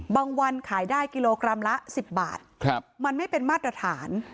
วันขายได้กิโลกรัมละ๑๐บาทมันไม่เป็นมาตรฐาน